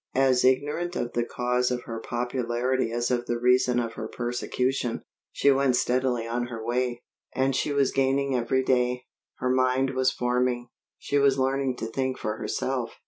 As ignorant of the cause of her popularity as of the reason of her persecution, she went steadily on her way. And she was gaining every day. Her mind was forming. She was learning to think for herself.